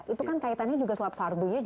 itu kan kaitannya juga sholat fardunya juga